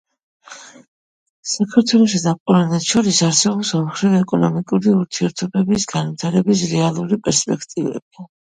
საქართველოსა და პოლონეთს შორის არსებობს ორმხრივი ეკონომიკური ურთიერთობების განვითარების რეალური პერსპექტივები.